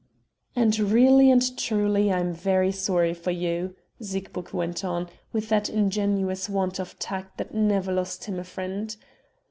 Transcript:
"And really and truly I am very sorry for you," Siegburg went on, with that ingenuous want of tact that never lost him a friend.